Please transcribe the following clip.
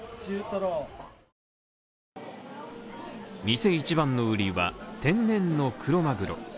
店一番の売りは、天然のクロマグロ。